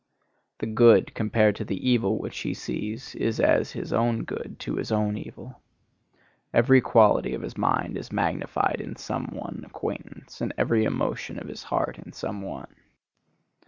The good, compared to the evil which he sees, is as his own good to his own evil. Every quality of his mind is magnified in some one acquaintance, and every emotion of his heart in some one.